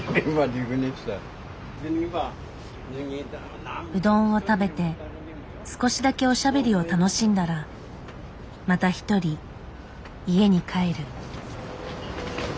うどんを食べて少しだけおしゃべりを楽しんだらまた一人家に帰る。